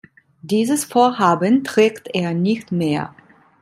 Dieses Vorhaben trägt er nicht mehr.